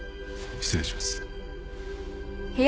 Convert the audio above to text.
失礼します。